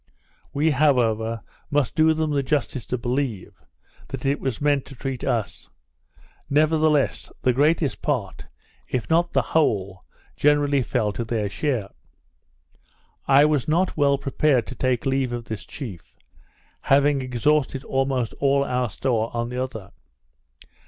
We however must do them the justice to believe, that it was meant to treat us; nevertheless, the greatest part, if not the whole, generally fell to their share. I was not well prepared to take leave of this chief, having exhausted almost all our store on the other.